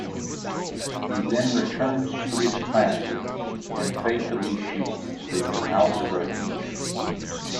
He then returns to his classroom and fatally shoots his algebra teacher.